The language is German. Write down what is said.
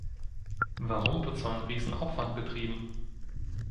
Warum wird so ein Riesenaufwand betrieben?